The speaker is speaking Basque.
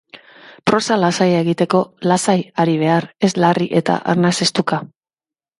Prosa lasaia egiteko, lasai ari behar, ez larri eta arnasestuka.